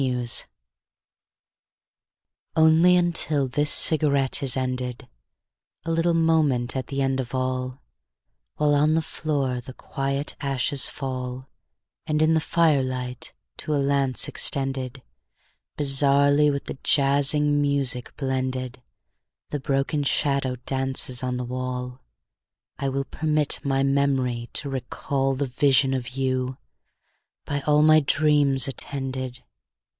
IV Only until this cigarette is ended, A little moment at the end of all, While on the floor the quiet ashes fall, And in the firelight to a lance extended, Bizarrely with the jazzing music blended, The broken shadow dances on the wall, I will permit my memory to recall The vision of you, by all my dreams attended.